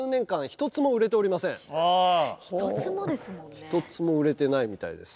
１つも売れてないみたいです。